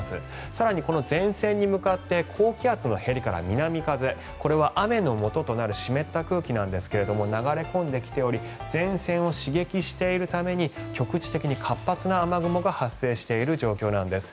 更にこの前線に向かって高気圧のへりから南風これは雨のもととなる湿った空気なんですが流れ込んできており前線を刺激しているために局地的に活発な雨雲が発生している状況なんです。